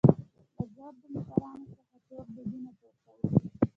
له ګردو موټرانو څخه تور دودونه پورته وو.